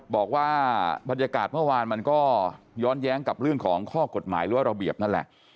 บอกว่าบรรยากาศเมื่อวานมันก็ย้อนแย้งกับเรื่องของข้อกฎหมายหรือว่าระเบียบนั่นแหละ